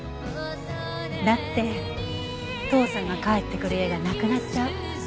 だって父さんが帰ってくる家がなくなっちゃう。